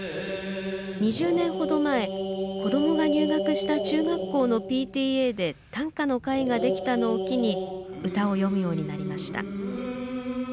２０年程前、子どもが入学した中学校のＰＴＡで短歌の会ができたのを機に歌を詠むようになりました